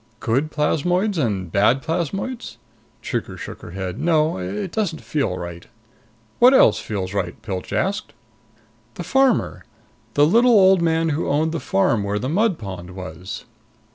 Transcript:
"Good plasmoids and bad plasmoids?" Trigger shook her head. "No. It doesn't feel right." "What else feels right?" Pilch asked. "The farmer. The little old man who owned the farm where the mud pond was."